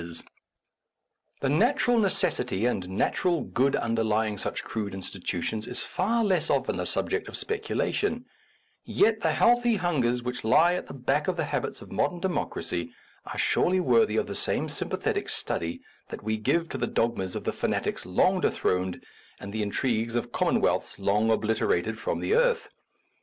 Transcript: A Defence of Useful Information The natural necessity and natural good un derlying such crude institutions is far less often a subject of speculation ; yet the healthy hungers which lie at the back of the habits of modern democracy are surely worthy of the same sympathetic study that we give to the dogmas of the fanatics long dethroned and the intrigues of common wealths long obliterated from the earth.